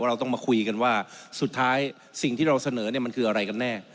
เราต้องมาคุยกันว่าสุดท้ายสิ่งที่เราเสนอเนี่ยมันคืออะไรกันแน่